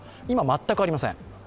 今、全くありません。